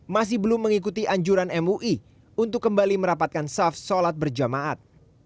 masih belum mengikuti anjuran mui untuk kembali merapatkan saf sholat berjamaat